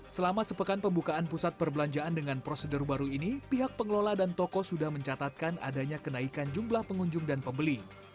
selama sepekan pembukaan pusat perbelanjaan dengan prosedur baru ini pihak pengelola dan toko sudah mencatatkan adanya kenaikan jumlah pengunjung dan pembeli